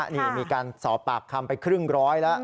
นี่มีการสอบปากคำไปครึ่งร้อยแล้ว